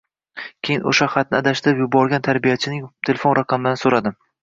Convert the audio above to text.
Keyin o`sha xatni adashtirib yuborgan tarbiyachining telefon raqamlarini so`radim